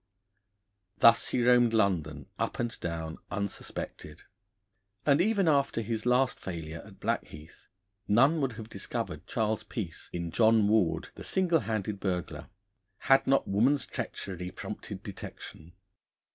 Thus he roamed London up and down unsuspected, and even after his last failure at Blackheath, none would have discovered Charles Peace in John Ward, the Single Handed Burglar, had not woman's treachery prompted detection.